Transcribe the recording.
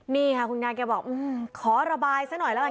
นี่ค่ะคุณยายแกบอกขอระบายซะหน่อยแล้วกัน